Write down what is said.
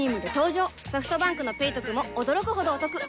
ソフトバンクの「ペイトク」も驚くほどおトク